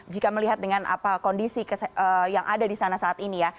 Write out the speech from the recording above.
jika melihat dengan apa kondisi yang ada di sana saat ini ya